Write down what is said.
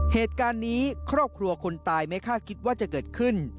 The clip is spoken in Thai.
เหตุการณ์นี้ครอบครัวคนตายไม่คาดคิดว่าจะเกิดขึ้น